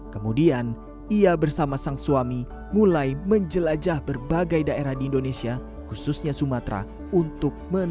kemudian ia bersama sang suami mulai menjelajah berbagai daerah di indonesia khususnya sumatera untuk menanam